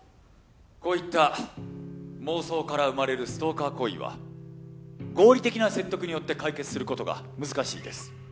こういった妄想から生まれるストーカー行為は合理的な説得によって解決する事が難しいです。